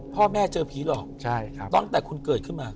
พ่อแม่เจอผีหลอกตั้งแต่คุณเกิดขึ้นมา